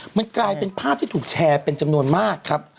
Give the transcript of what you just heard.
มันกลายเป็นภาพที่ถูกแชร์เป็นจำนวนมากครับ